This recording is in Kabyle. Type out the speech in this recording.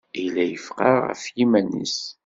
Yella yefqeɛ ɣef yiman-is.